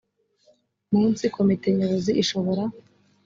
munsi komite nyobozi ishobora